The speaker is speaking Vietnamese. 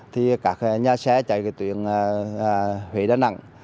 thì các nhà xe chạy tuyển huế đà nẵng